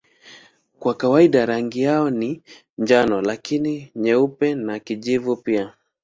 Kwa kawaida rangi yao ni njano lakini nyeupe na kijivu pia.